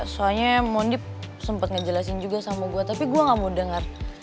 soalnya mondi sempet ngejelasin juga sama gua tapi gua gak mau denger